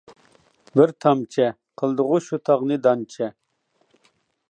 بىر تامچە، قىلدىغۇ شۇ تاغنى دانچە.